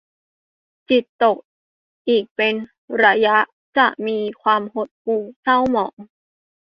จิตตกอีกเป็นระยะ จะมีความหดหู่เศร้าหมอง